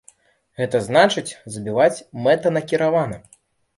Гэта значыць, забіваць мэтанакіравана.